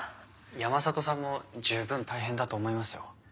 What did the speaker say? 山里さんも十分大変だと思いますよ。